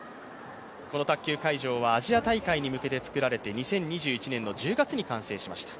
この卓球会場はアジア大会に向けて作られて、２０２１年の１０月に完成しました。